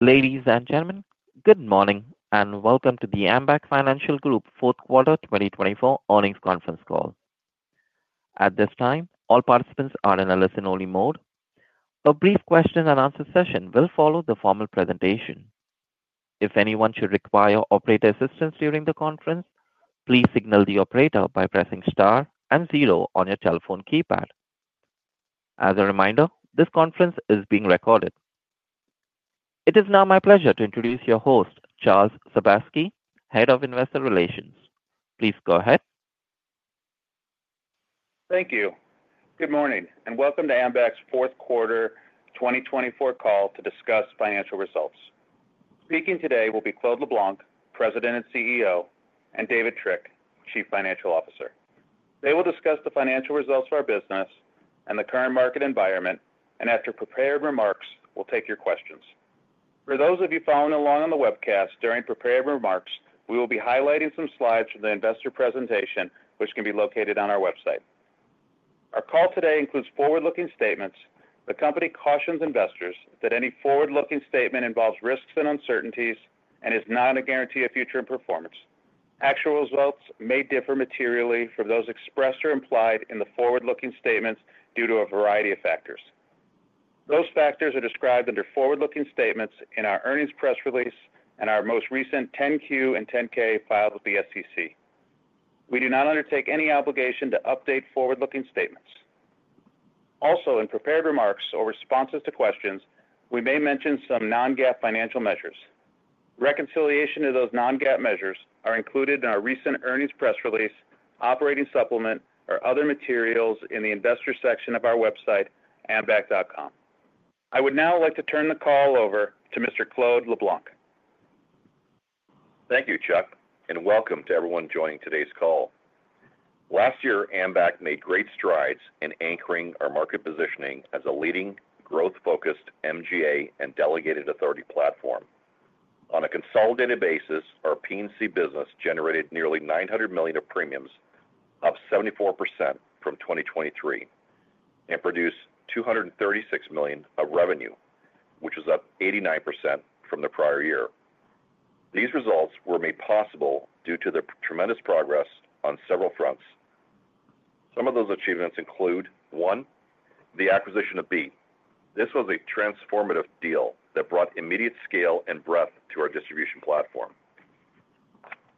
Ladies and Gentlemen, good morning and welcome to the Ambac Financial Group Q4 2024 Earnings Conference Call. At this time, all participants are in a listen-only mode. A brief question-and-answer session will follow the formal presentation. If anyone should require operator assistance during the conference, please signal the operator by pressing star and zero on your telephone keypad. As a reminder, this conference is being recorded. It is now my pleasure to introduce your host, Charles Sebaski, Head of Investor Relations. Please go ahead. Thank you. Good morning and welcome to Ambac's Q4 2024 Call to discuss financial results. Speaking today will be Claude LeBlanc, President and CEO, and David Trick, CFO. They will discuss the financial results of our business and the current market environment, and after prepared remarks, we'll take your questions. For those of you following along on the webcast during prepared remarks, we will be highlighting some slides from the investor presentation, which can be located on our website. Our call today includes forward-looking statements. The company cautions investors that any forward-looking statement involves risks and uncertainties and is not a guarantee of future performance. Actual results may differ materially from those expressed or implied in the forward-looking statements due to a variety of factors. Those factors are described under forward-looking statements in our earnings press release and our most recent 10-Q and 10-K filed with the SEC. We do not undertake any obligation to update forward-looking statements. Also, in prepared remarks or responses to questions, we may mention some non-GAAP financial measures. Reconciliation of those non-GAAP measures is included in our recent earnings press release, operating supplement, or other materials in the investor section of our website, ambac.com. I would now like to turn the call over to Mr. Claude LeBlanc. Thank you, Chuck, and welcome to everyone joining today's call. Last year, Ambac made great strides in anchoring our market positioning as a leading growth-focused MGA and delegated authority platform. On a consolidated basis, our P&C business generated nearly $900 million of premiums, up 74% from 2023, and produced $236 million of revenue, which is up 89% from the prior year. These results were made possible due to the tremendous progress on several fronts. Some of those achievements include: one, the acquisition of Beat. This was a transformative deal that brought immediate scale and breadth to our Distribution platform.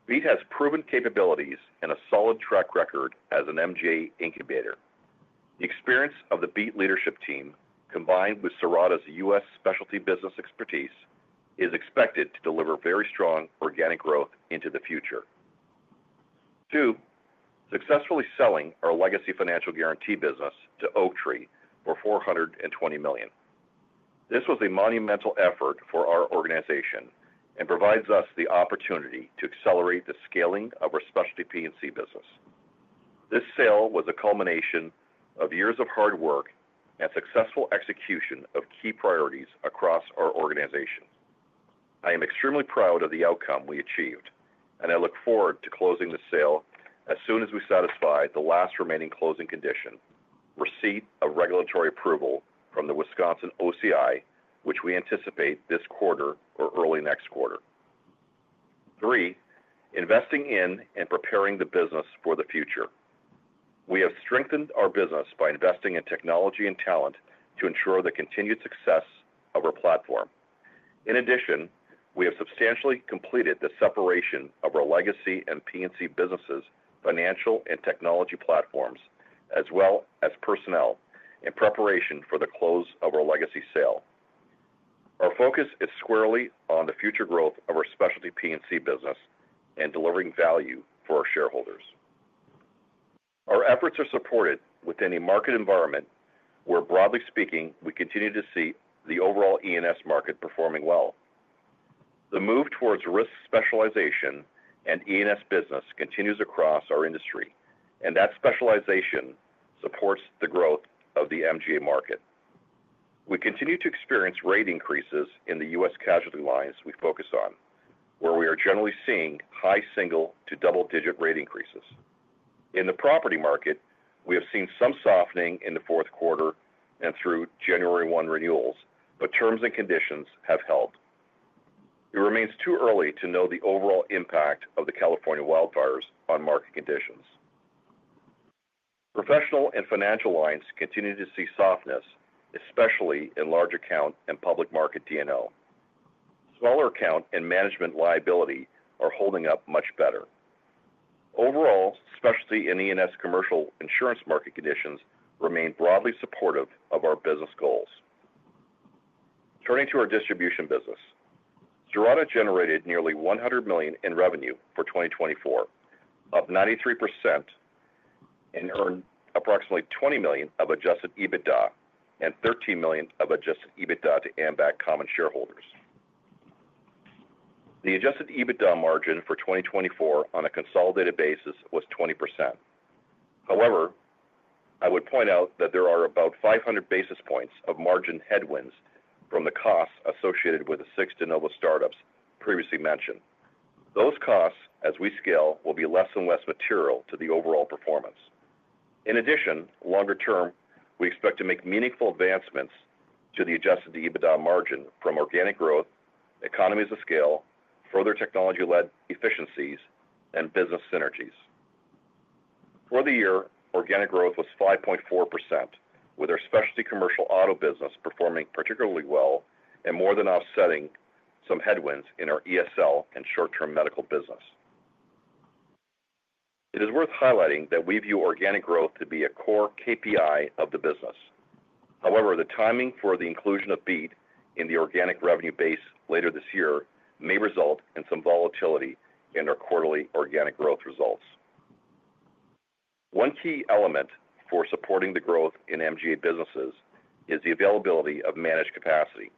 Beat has proven capabilities and a solid track record as an MGA incubator. The experience of the Beat leadership team, combined with Cirrata's U.S. specialty business expertise, is expected to deliver very strong organic growth into the future. Two, successfully selling our legacy financial guarantee business to Oaktree for $420 million. This was a monumental effort for our organization and provides us the opportunity to accelerate the scaling of our specialty P&C business. This sale was a culmination of years of hard work and successful execution of key priorities across our organization. I am extremely proud of the outcome we achieved, and I look forward to closing the sale as soon as we satisfy the last remaining closing condition: receipt of regulatory approval from the Wisconsin OCI, which we anticipate this quarter or early next quarter. Three, investing in and preparing the business for the future. We have strengthened our business by investing in technology and talent to ensure the continued success of our platform. In addition, we have substantially completed the separation of our legacy and P&C businesses, financial and technology platforms, as well as personnel, in preparation for the close of our legacy sale. Our focus is squarely on the future growth of our specialty P&C business and delivering value for our shareholders. Our efforts are supported within a market environment where, broadly speaking, we continue to see the overall E&S market performing well. The move towards risk specialization and E&S business continues across our industry, and that specialization supports the growth of the MGA market. We continue to experience rate increases in the U.S. casualty lines we focus on, where we are generally seeing high single- to double-digit rate increases. In the property market, we have seen some softening in the Q4 and through January 1 renewals, but terms and conditions have held. It remains too early to know the overall impact of the California wildfires on market conditions. Professional and financial lines continue to see softness, especially in large account and public market D&O. Smaller account and management liability are holding up much better. Overall, specialty and E&S commercial insurance market conditions remain broadly supportive of our business goals. Turning to our Distribution business, Cirrata generated nearly $100 million in revenue for 2024, up 93%, and earned approximately $20 million of Adjusted EBITDA and $13 million of Adjusted EBITDA to Ambac common shareholders. The Adjusted EBITDA margin for 2024 on a consolidated basis was 20%. However, I would point out that there are about 500 basis points of margin headwinds from the costs associated with the six de novo startups previously mentioned. Those costs, as we scale, will be less and less material to the overall performance. In addition, longer term, we expect to make meaningful advancements to the Adjusted EBITDA margin from organic growth, economies of scale, further technology-led efficiencies, and business synergies. For the year, organic growth was 5.4%, with our specialty commercial auto business performing particularly well and more than offsetting some headwinds in our ESL and short-term medical business. It is worth highlighting that we view organic growth to be a core KPI of the business. However, the timing for the inclusion of Beat in the organic revenue base later this year may result in some volatility in our quarterly organic growth results. One key element for supporting the growth in MGA businesses is the availability of managed capacity.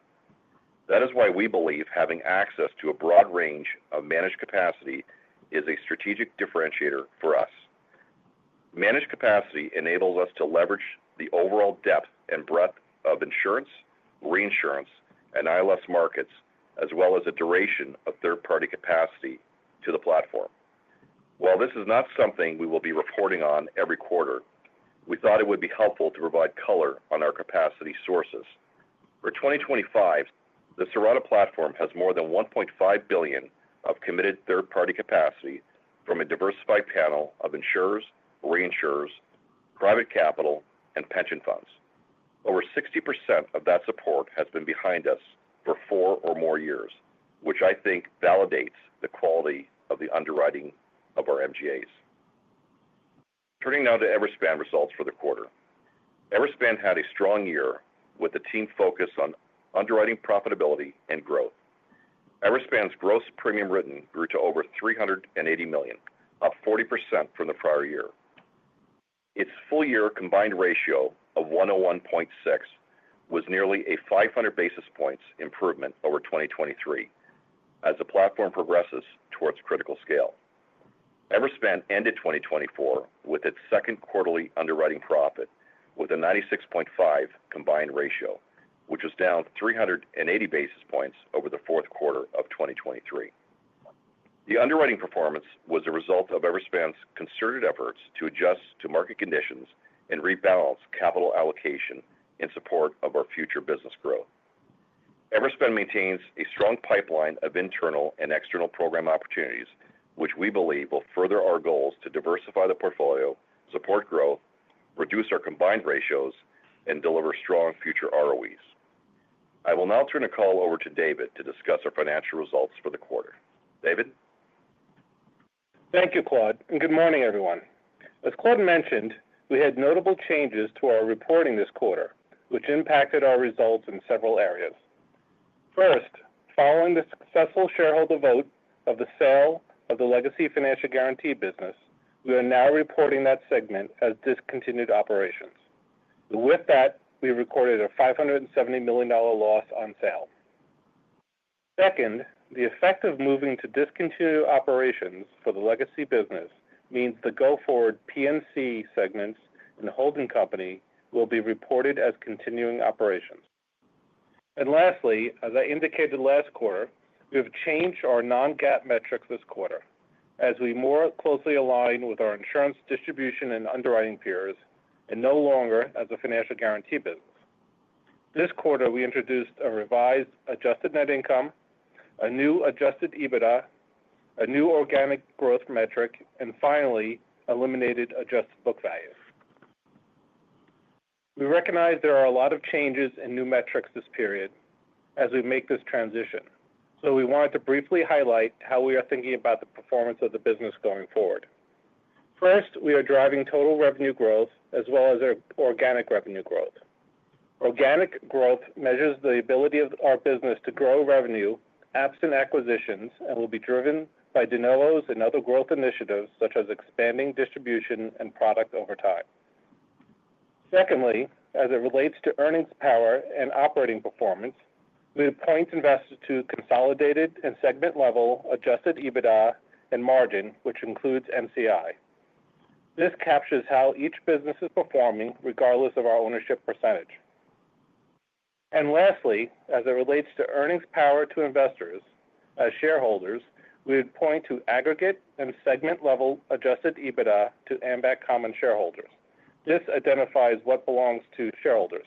That is why we believe having access to a broad range of managed capacity is a strategic differentiator for us. Managed capacity enables us to leverage the overall depth and breadth of insurance, reinsurance, and ILS markets, as well as a duration of third-party capacity to the platform. While this is not something we will be reporting on every quarter, we thought it would be helpful to provide color on our capacity sources. For 2025, the Cirrata platform has more than $1.5 billion of committed third-party capacity from a diversified panel of insurers, reinsurers, private capital, and pension funds. Over 60% of that support has been behind us for four or more years, which I think validates the quality of the underwriting of our MGAs. Turning now to Everspan results for the quarter. Everspan had a strong year with the team focused on underwriting profitability and growth. Everspan's gross premium written grew to over $380 million, up 40% from the prior year. Its full-year combined ratio of 101.6% was nearly a 500 basis points improvement over 2023 as the platform progresses towards critical scale. Everspan ended 2024 with its second quarterly underwriting profit with a 96.5 combined ratio, which was down 380 basis points over the Q4 of 2023. The underwriting performance was a result of Everspan's concerted efforts to adjust to market conditions and rebalance capital allocation in support of our future business growth. Everspan maintains a strong pipeline of internal and external program opportunities, which we believe will further our goals to diversify the portfolio, support growth, reduce our combined ratios, and deliver strong future ROEs. I will now turn the call over to David to discuss our financial results for the quarter. David? Thank you, Claude, and good morning, everyone. As Claude mentioned, we had notable changes to our reporting this quarter, which impacted our results in several areas. First, following the successful shareholder vote of the sale of the legacy financial guarantee business, we are now reporting that segment as discontinued operations. With that, we recorded a $570 million loss on sale. Second, the effect of moving to discontinued operations for the legacy business means the go-forward P&C segments and holding company will be reported as continuing operations, and lastly, as I indicated last quarter, we have changed our Non-GAAP metrics this quarter as we more closely align with our Insurance Distribution and underwriting peers and no longer as a financial guarantee business. This quarter, we introduced a revised Adjusted Net Income, a new Adjusted EBITDA, a new organic growth metric, and finally, eliminated Adjusted Book Value. We recognize there are a lot of changes and new metrics this period as we make this transition, so we wanted to briefly highlight how we are thinking about the performance of the business going forward. First, we are driving total revenue growth as well as organic revenue growth. Organic growth measures the ability of our business to grow revenue absent acquisitions and will be driven by de novos and other growth initiatives such as expanding distribution and product over time. Secondly, as it relates to earnings power and operating performance, we point investors to consolidated and segment-level Adjusted EBITDA and margin, which includes NCI. This captures how each business is performing regardless of our ownership percentage. And lastly, as it relates to earnings power to investors, as shareholders, we would point to aggregate and segment-level Adjusted EBITDA to Ambac common shareholders. This identifies what belongs to shareholders.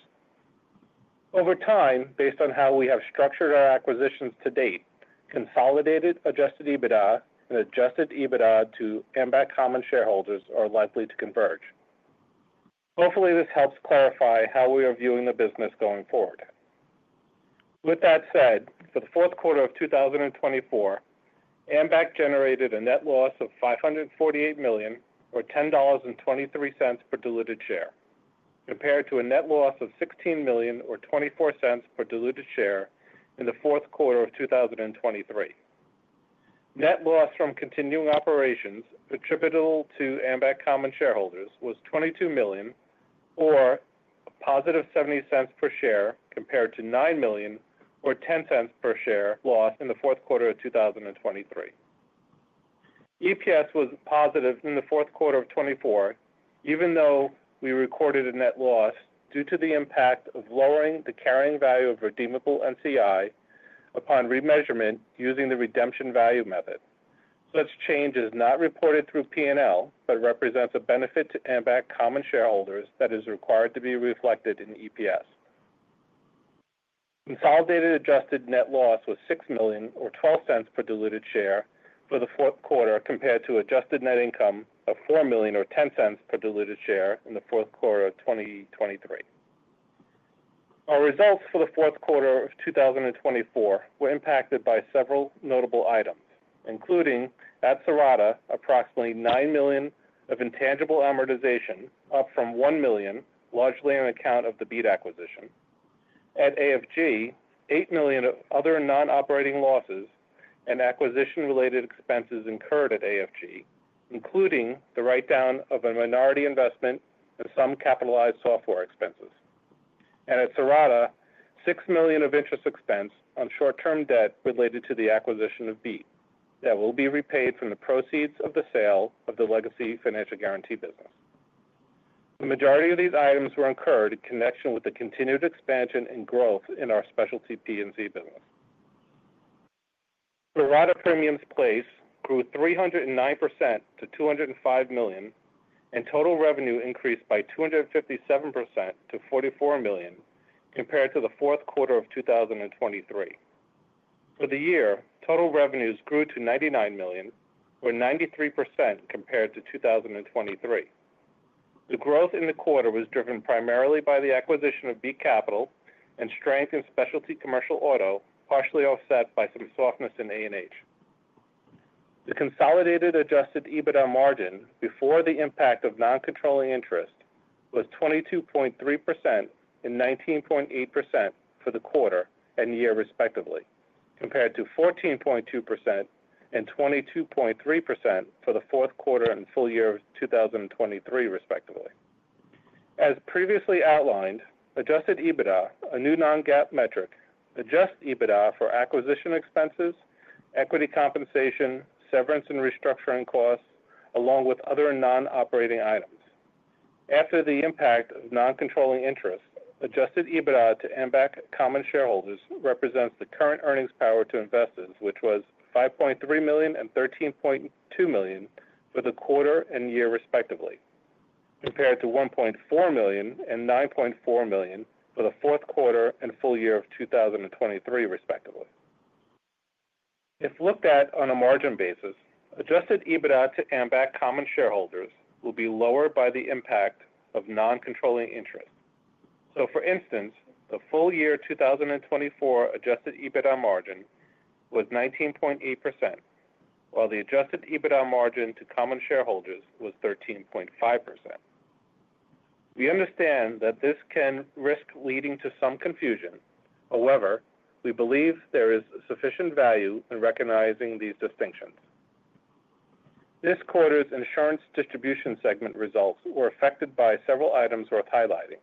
Over time, based on how we have structured our acquisitions to date, consolidated Adjusted EBITDA and Adjusted EBITDA to Ambac Common Shareholders are likely to converge. Hopefully, this helps clarify how we are viewing the business going forward. With that said, for the Q4 of 2024, Ambac generated a net loss of $548 million, or $10.23 per diluted share, compared to a net loss of $16 million, or $0.24 per diluted share in the Q4 of 2023. Net loss from continuing operations attributable to Ambac Common Shareholders was $22 million, or a positive $0.70 per share, compared to $9 million, or $0.10 per share loss in the Q4 of 2023. EPS was positive in the Q4 of 2024, even though we recorded a net loss due to the impact of lowering the carrying value of redeemable NCI upon remeasurement using the redemption value method. Such change is not reported through P&L, but represents a benefit to Ambac Common Shareholders that is required to be reflected in EPS. Consolidated Adjusted net loss was $6 million, or $0.12 per diluted share for the Q4, compared to Adjusted net income of $4 million, or $0.10 per diluted share in the Q4 of 2023. Our results for the Q4 of 2024 were impacted by several notable items, including at Cirrata, approximately $9 million of intangible amortization, up from $1 million, largely on account of the Beat acquisition. At AFG, $8 million of other non-operating losses and acquisition-related expenses incurred at AFG, including the write-down of a minority investment and some capitalized software expenses. At Cirrata, $6 million of interest expense on short-term debt related to the acquisition of Beat that will be repaid from the proceeds of the sale of the legacy financial guarantee business. The majority of these items were incurred in connection with the continued expansion and growth in our specialty P&C business. Cirrata premiums placed grew 309% to $205 million, and total revenue increased by 257% to $44 million, compared to the Q4 of 2023. For the year, total revenues grew to $99 million, or 93% compared to 2023. The growth in the quarter was driven primarily by the acquisition of Beat Capital and strength in specialty commercial auto, partially offset by some softness in A&H. The consolidated Adjusted EBITDA margin before the impact of non-controlling interest was 22.3% and 19.8% for the quarter and year respectively, compared to 14.2% and 22.3% for the Q4 and full year of 2023, respectively. As previously outlined, Adjusted EBITDA, a new non-GAAP metric, adjusts EBITDA for acquisition expenses, equity compensation, severance, and restructuring costs, along with other non-operating items. After the impact of non-controlling interest, Adjusted EBITDA to Ambac Common Shareholders represents the current earnings power to investors, which was $5.3 million and $13.2 million for the quarter and year respectively, compared to $1.4 million and $9.4 million for the Q4 and full year of 2023, respectively. If looked at on a margin basis, Adjusted EBITDA to Ambac Common Shareholders will be lower by the impact of non-controlling interest. So, for instance, the full-year 2024 Adjusted EBITDA margin was 19.8%, while the Adjusted EBITDA margin to Common Shareholders was 13.5%. We understand that this can risk leading to some confusion. However, we believe there is sufficient value in recognizing these distinctions. This quarter's Insurance Distribution segment results were affected by several items worth highlighting.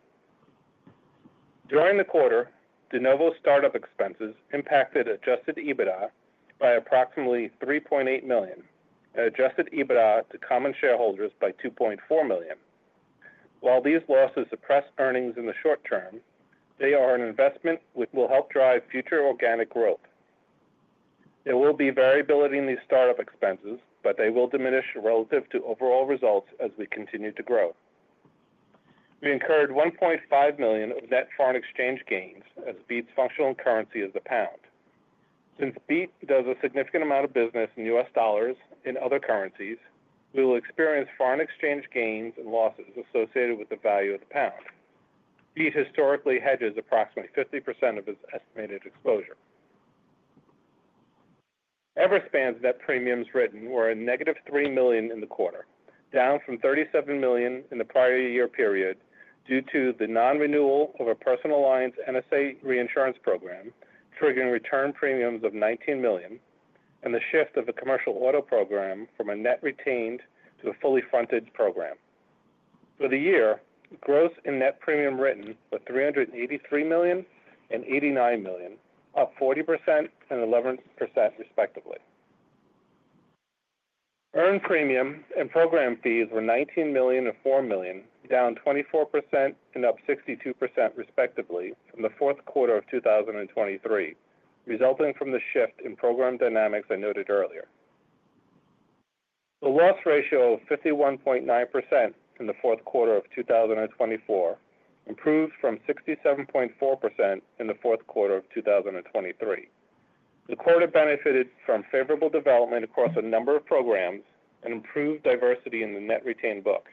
During the quarter, de novo startup expenses impacted Adjusted EBITDA by approximately $3.8 million and Adjusted EBITDA to Common Shareholders by $2.4 million. While these losses suppress earnings in the short term, they are an investment which will help drive future organic growth. There will be variability in these startup expenses, but they will diminish relative to overall results as we continue to grow. We incurred $1.5 million of net foreign exchange gains as Beat's functional currency is the pound. Since Beat does a significant amount of business in US dollars in other currencies, we will experience foreign exchange gains and losses associated with the value of the pound. Beat historically hedges approximately 50% of its estimated exposure. Everspan's net premiums written were a negative $3 million in the quarter, down from $37 million in the prior year period due to the non-renewal of a personal lines NSA reinsurance program, triggering return premiums of $19 million, and the shift of the commercial auto program from a net retained to a fully fronted program. For the year, gross and net premium written were $383 million and $89 million, up 40% and 11% respectively. Earned premium and program fees were $19 million and $4 million, down 24% and up 62% respectively from the Q4 of 2023, resulting from the shift in program dynamics I noted earlier. The loss ratio of 51.9% in the Q4 of 2024 improved from 67.4% in the Q4 of 2023. The quarter benefited from favorable development across a number of programs and improved diversity in the net retained book.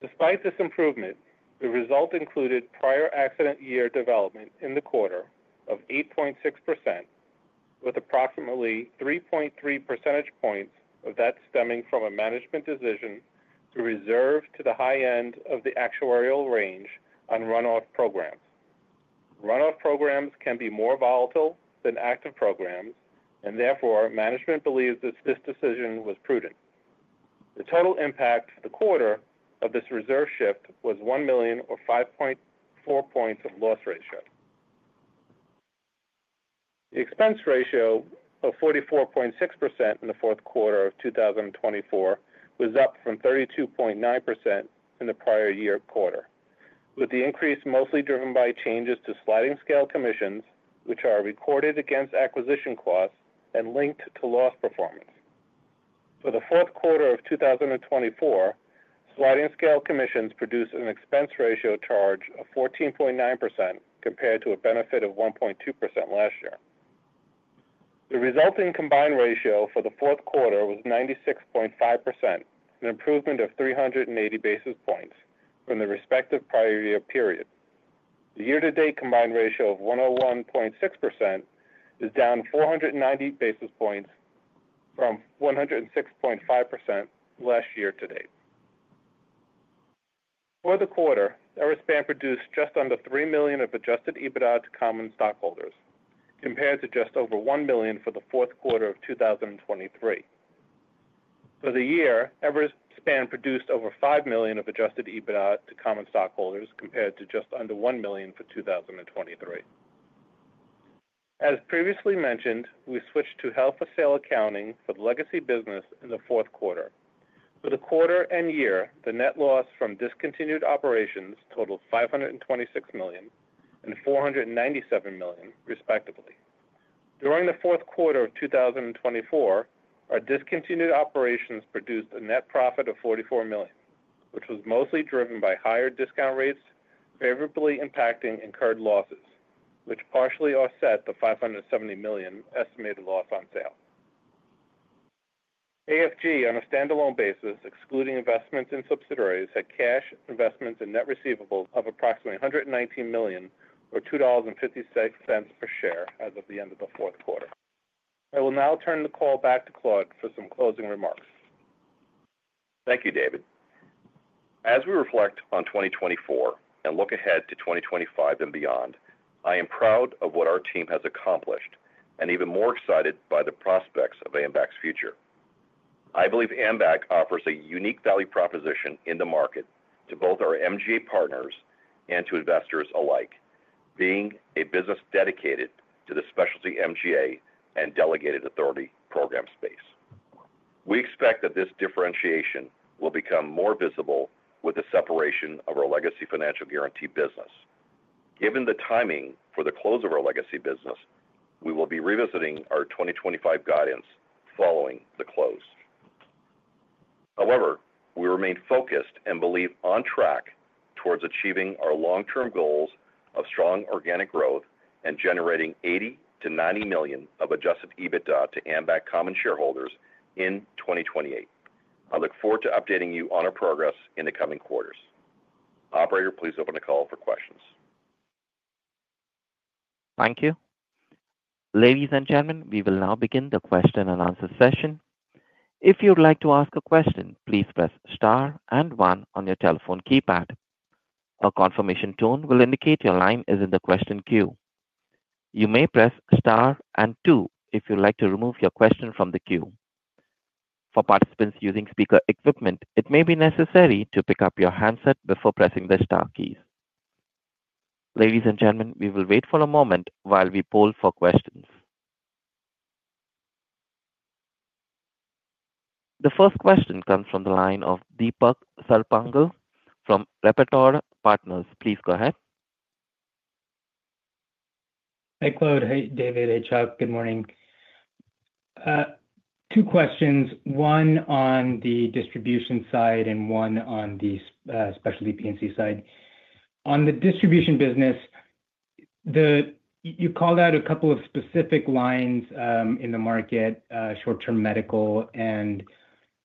Despite this improvement, the result included prior accident year development in the quarter of 8.6%, with approximately 3.3 percentage points of that stemming from a management decision to reserve to the high end of the actuarial range on runoff programs. Runoff programs can be more volatile than active programs, and therefore management believes that this decision was prudent. The total impact for the quarter of this reserve shift was $1 million, or 5.4 points of loss ratio. The expense ratio of 44.6% in the Q4 of 2024 was up from 32.9% in the prior year quarter, with the increase mostly driven by changes to sliding scale commissions, which are recorded against acquisition costs and linked to loss performance. For the Q4 of 2024, sliding scale commissions produced an expense ratio charge of 14.9% compared to a benefit of 1.2% last year. The resulting combined ratio for the Q4 was 96.5%, an improvement of 380 basis points from the respective prior year period. The year-to-date combined ratio of 101.6% is down 490 basis points from 106.5% last year to date. For the quarter, Everspan produced just under $3 million of Adjusted EBITDA to common stockholders, compared to just over $1 million for the Q4 of 2023. For the year, Everspan produced over $5 million of Adjusted EBITDA to Common Stockholders, compared to just under $1 million for 2023. As previously mentioned, we switched to held for sale accounting for the legacy business in the Q4. For the quarter and year, the net loss from discontinued operations totaled $526 million and $497 million, respectively. During the Q4 of 2024, our discontinued operations produced a net profit of $44 million, which was mostly driven by higher discount rates favorably impacting incurred losses, which partially offset the $570 million estimated loss on sale. AFG, on a standalone basis, excluding investments and subsidiaries, had cash investments and net receivables of approximately $119 million, or $2.56 per share as of the end of the Q4. I will now turn the call back to Claude for some closing remarks. Thank you, David. As we reflect on 2024 and look ahead to 2025 and beyond, I am proud of what our team has accomplished and even more excited by the prospects of Ambac's future. I believe Ambac offers a unique value proposition in the market to both our MGA partners and to investors alike, being a business dedicated to the specialty MGA and delegated authority program space. We expect that this differentiation will become more visible with the separation of our legacy financial guarantee business. Given the timing for the close of our legacy business, we will be revisiting our 2025 guidance following the close. However, we remain focused and believe on track towards achieving our long-term goals of strong organic growth and generating $80 million-$90 million of Adjusted EBITDA to Ambac Common Shareholders in 2028. I look forward to updating you on our progress in the coming quarters. Operator, please open the call for questions. Thank you. Ladies and gentlemen, we will now begin the question-and-answer session. If you would like to ask a question, please press star and one on your telephone keypad. A confirmation tone will indicate your line is in the question queue. You may press star and two if you'd like to remove your question from the queue. For participants using speaker equipment, it may be necessary to pick up your handset before pressing the star keys. Ladies and gentlemen, we will wait for a moment while we poll for questions. The first question comes from the line of Deepak Sarpangal from Repertoire Partners. Please go ahead. Hey, Claude. Hey, David. Hey Chuck, good morning. Two questions, one on the Distribution side and one on the specialty P&C side. On the Distribution business, you called out a couple of specific lines in the market, short-term medical and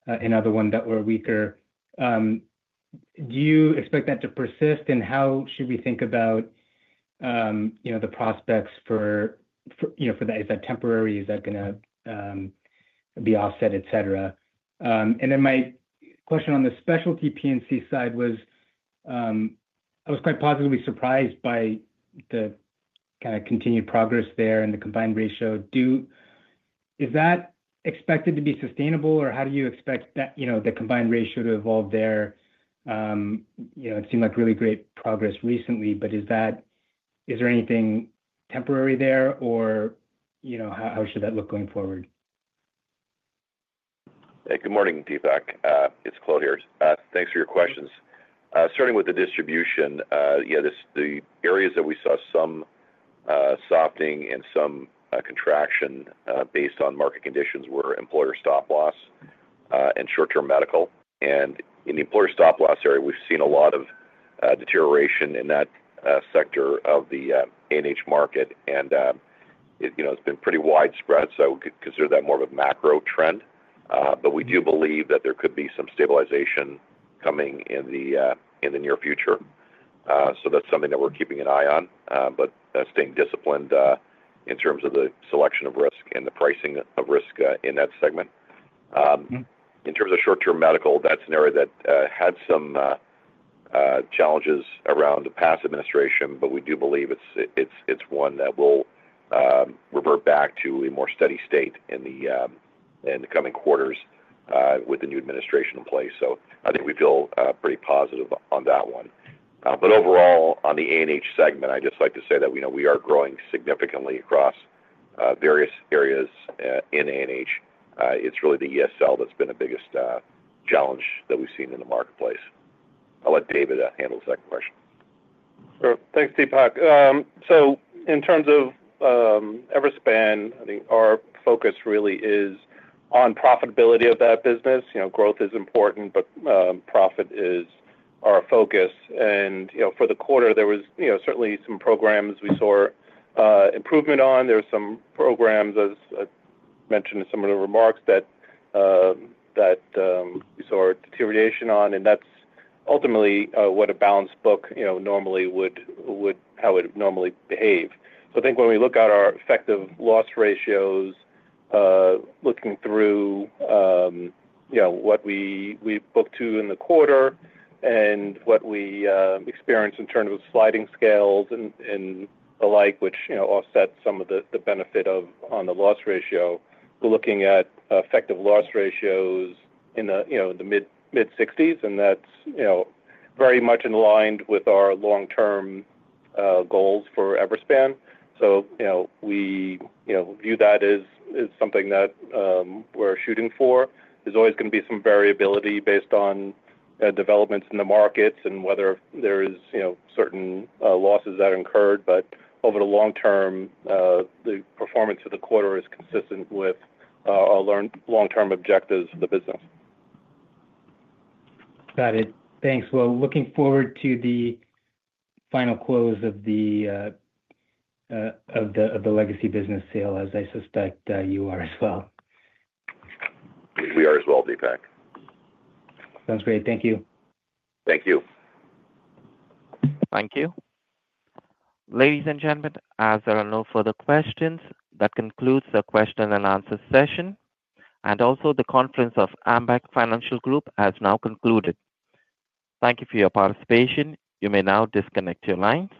another one that were weaker. Do you expect that to persist? And how should we think about the prospects for that? Is that temporary? Is that going to be offset, et cetera? And then my question on the specialty P&C side was, I was quite positively surprised by the kind of continued progress there and the combined ratio. Is that expected to be sustainable, or how do you expect the combined ratio to evolve there? It seemed like really great progress recently, but is there anything temporary there, or how should that look going forward? Hey, good morning, Deepak. It's Claude here. Thanks for your questions. Starting with the Distribution, the areas that we saw some softening and some contraction based on market conditions were employer stop-loss and short-term medical, and in the employer stop-loss area, we've seen a lot of deterioration in that sector of the A&H market, and it's been pretty widespread, so I would consider that more of a macro trend, but we do believe that there could be some stabilization coming in the near future, so that's something that we're keeping an eye on, but staying disciplined in terms of the selection of risk and the pricing of risk in that segment. In terms of short-term medical, that's an area that had some challenges around the past administration, but we do believe it's one that will revert back to a more steady state in the coming quarters with the new administration in place. So I think we feel pretty positive on that one. But overall, on the A&H segment, I'd just like to say that we are growing significantly across various areas in A&H. It's really the ESL that's been the biggest challenge that we've seen in the marketplace. I'll let David handle the second question. Sure. Thanks, Deepak. So in terms of Everspan, I think our focus really is on profitability of that business. Growth is important, but profit is our focus. And for the quarter, there was certainly some programs we saw improvement on. There were some programs, as mentioned in some of the remarks, that we saw deterioration on, and that's ultimately what a balanced book normally would, how it would normally behave. So I think when we look at our effective loss ratios, looking through what we booked to in the quarter and what we experienced in terms of sliding scales and the like, which offset some of the benefit on the loss ratio, we're looking at effective loss ratios in the mid-60s, and that's very much in line with our long-term goals for Everspan. So we view that as something that we're shooting for. There's always going to be some variability based on developments in the markets and whether there are certain losses that occurred, but over the long term, the performance of the quarter is consistent with our long-term objectives of the business. Got it. Thanks. Looking forward to the final close of the legacy business sale, as I suspect you are as well. We are as well, Deepak. Sounds great. Thank you. Thank you. Thank you. Ladies and gentlemen, as there are no further questions, that concludes the question-and-answer session, and also, the conference of Ambac Financial Group has now concluded. Thank you for your participation. You may now disconnect your lines.